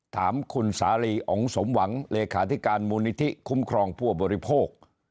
ถามคุณสาลีอ๋องสมหวังเลขาธิการมูลนิธิคุ้มครองผู้บริโภค